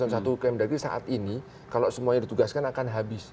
satu kemendagri saat ini kalau semuanya ditugaskan akan habis